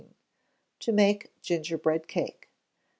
To Make Gingerbread Cake.